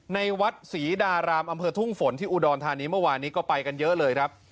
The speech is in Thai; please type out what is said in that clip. ในวัดศรีดารามอำเภอทุ่งฝนที่อุดรธานีเมื่อวานนี้ก็ไปกันเยอะเลยครับ